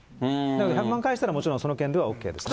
だから１００万円返したらその件ではＯＫです。